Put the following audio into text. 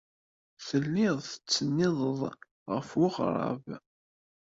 Telliḍ tettsennideḍ ɣer weɣrab.